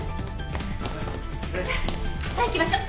さあさあ行きましょう！